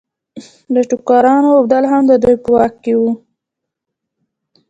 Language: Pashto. د ټوکرانو اوبدل هم د دوی په واک کې وو.